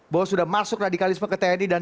bahwa sudah masuk radikalisme ke tni dan juga di tni